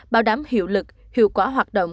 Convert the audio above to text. bảo đảm hiệu lực hiệu quả hoạt động